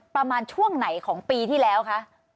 ประมาณช่วงไหนของปีที่แล้วคะ